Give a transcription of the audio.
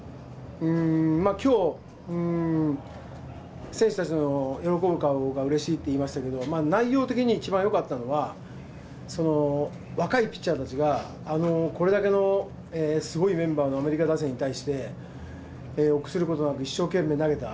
きょう、選手たちの喜ぶ顔がうれしいって言いましたけれども、内容的に一番よかったのは、若いピッチャーたちが、これだけのすごいメンバーのアメリカ打線に対して、臆することなく、一生懸命投げた。